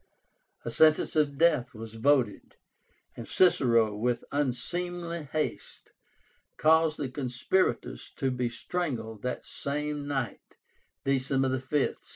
A sentence of death was voted; and Cicero, with unseemly haste, caused the conspirators to be strangled that same night (December 5, 63).